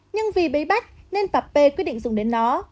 nhưng vì bấy bách nên bà p quyết định dùng đến nó